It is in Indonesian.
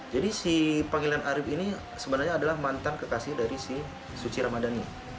jadi si pangilin arif ini sebenarnya adalah mantan kekasih dari si suci ramadhani